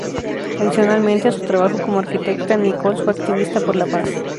Adicionalmente a su trabajo como arquitecta, Nichols fue activista por la paz.